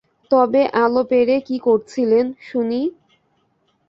তবে আলো পেড়ে কি করছিলেন শুনি?